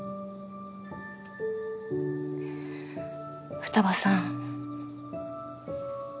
二葉さん。